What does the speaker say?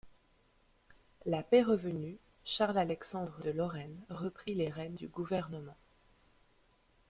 La paix revenue, Charles-Alexandre de Lorraine reprit les rènes du gouvernement.